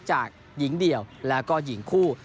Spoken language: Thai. จากหญิงเดี่ยวแล้วก็หญิงคู่